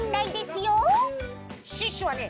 シュッシュはね